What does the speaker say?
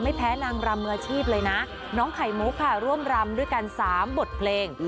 แพ้นางรำมืออาชีพเลยนะน้องไข่มุกค่ะร่วมรำด้วยกัน๓บทเพลง